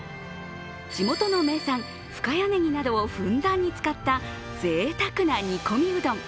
地元の名産、深谷ねぎなどをふんだんに使ったぜいたくな煮込みうどん。